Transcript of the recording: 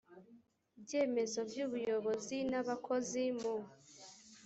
byemezo by ubuyobozi n abakozi mu